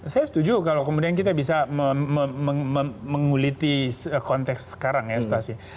saya setuju kalau kemudian kita bisa menguliti konteks sekarang ya stasiun